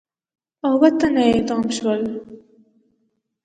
اووه تنه اعدام شول.